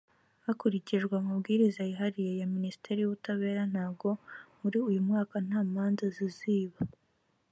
hakurikijwe amabwiriza yihariye ya minisiteri y’ubutabera ntago muri uyu mwaka nta manza ziziba